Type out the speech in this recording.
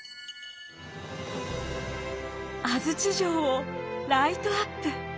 安土城をライトアップ。